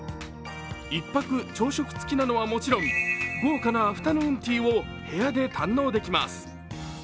１泊朝食付きなのはもちろん豪華なアフタヌーンティーを部屋で堪能できます。